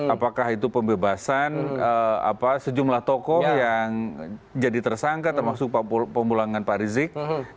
apakah itu pembebasan sejumlah tokoh yang jadi tersangka termasuk pemulangan pak rizik